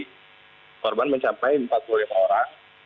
korban mencapai empat puluh lima orang